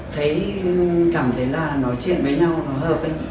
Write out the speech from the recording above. thấy cảm thấy là nói chuyện với nhau nó hợp ấy